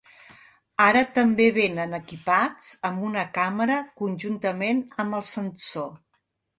Ara també vénen equipats amb una càmera conjuntament amb el sensor.